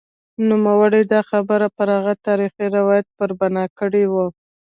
نوموړي دا خبره پر هغه تاریخي روایت پر بنا کړې وه.